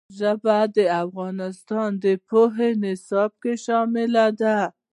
ژبې د افغانستان د پوهنې نصاب کې شامل دي.